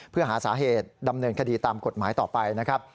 เพื่อหาสาเหตุดำเนินคดีตามกฎหมายต่อไปนะครับ